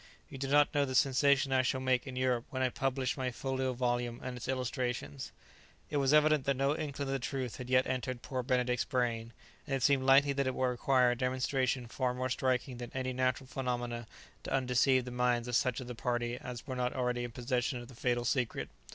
You do not know the sensation I shall make in Europe when I publish my folio volume and its illustrations." It was evident that no inkling of the truth had yet entered poor Benedict's brain, and it seemed likely that it would require demonstration far more striking than any natural phenomena to undeceive the minds of such of the party as were not already in possession of the fatal secret.